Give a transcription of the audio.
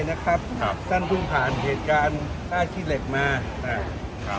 นะครับครับท่านเพิ่งผ่านเหตุการณ์ท่าขี้เหล็กมาอ่าครับ